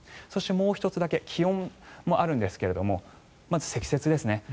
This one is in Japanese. そして、もう１つだけ気温もあるんですがまず積雪ですね。